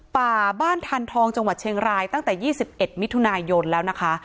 ป่าบ้านทันทองจังหวัดเชียงรายตั้งแต่๒๑มิถุนายนแล้วนะคะ